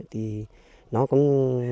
thì nó cũng